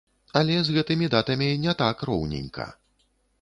Але з гэтымі датамі не так роўненька.